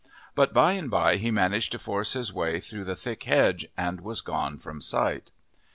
But by and by he managed to force his way through the thick hedge and was gone from sight.